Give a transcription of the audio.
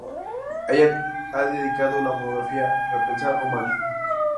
A ella ha dedicado la monografía: "Repensar o mal.